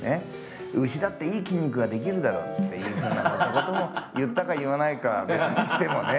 「牛だっていい筋肉が出来るだろ」っていうふうなことも言ったか言わないかは別にしてもね。ハハハハ！